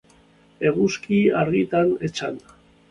Eguzki-argitan etzanda.